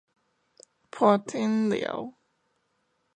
伴天聊